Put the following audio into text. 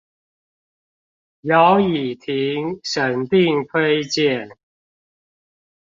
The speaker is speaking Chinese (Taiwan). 姚以婷審定推薦